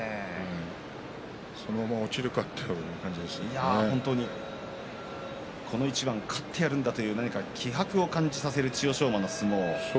そのまま落ちるかというこの一番勝ってやるんだという気迫を感じさせる千代翔馬の相撲。